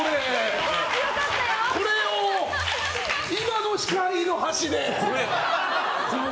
これを今の視界の端で。